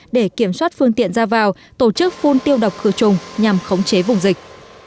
để kiểm soát phương tiện ra vào tổ chức phun tiêu độc khử trùng nhằm khống chế vùng dịch